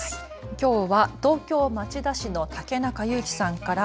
きょうは東京町田市の竹中ゆうきさんから。